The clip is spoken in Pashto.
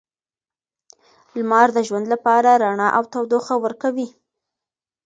لمر د ژوند لپاره رڼا او تودوخه ورکوي.